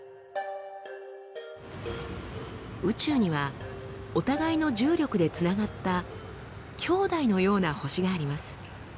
宇宙にはお互いの重力でつながった兄弟のような星があります。